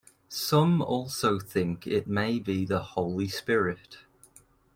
Some also think it may be the Holy Spirit.